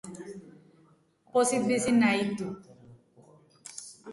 Pozik bizi nahi dut.